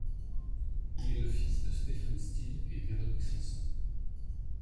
Il est le fils de Stephen Stills et Véronique Sanson.